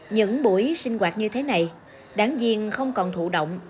những buổi sinh hoạt như thế này đáng diện không còn thụ động